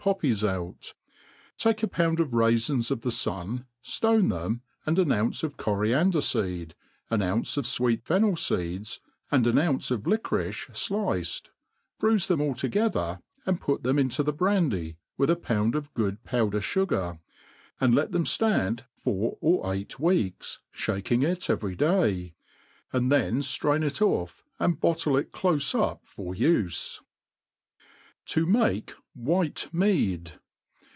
poppies out ; take a pound of raifins of the fun, ftone them, and an ounce of coriander feed, an ounce of fweet fennel feeds, and an ounce of liquorice fliced, bruife them all together, and put them into the brandy, with a pound of good powder fugar, ' and let them ftand four or eight weeks, (baking itevery day \ and then firain it off, and bottle it clofe up for ufe. To make White Mead.